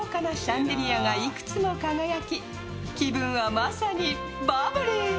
至る所に豪華なシャンデリアがいくつも輝き気分は、まさにバブリー。